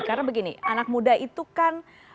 karena begini anak muda itu kan